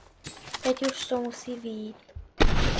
Teď už to musí vyjít.